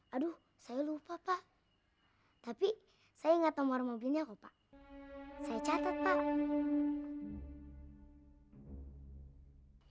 aduh saya lupa pak tapi saya ingat nomor mobilnya kok pak saya catet pak